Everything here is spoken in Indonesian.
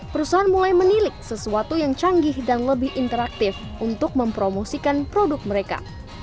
perusahaan mulai menilik sesuatu yang canggih dan lebih interaktif untuk mempromosikan produk mereka